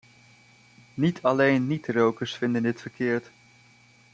Niet alleen niet-rokers vinden dit verkeerd.